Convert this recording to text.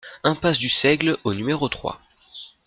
Impasse du Seigle au numéro trois